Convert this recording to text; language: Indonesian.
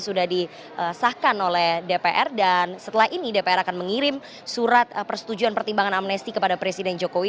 sudah disahkan oleh dpr dan setelah ini dpr akan mengirim surat persetujuan pertimbangan amnesti kepada presiden jokowi